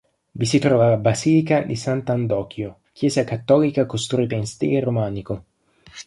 Vi si trova la Basilica di Sant'Andochio, chiesa cattolica costruita in stile romanico.